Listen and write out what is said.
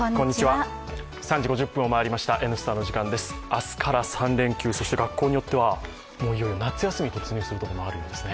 明日から３連休、そして学校によってはいよいよ夏休みに突入するところもあるようですね。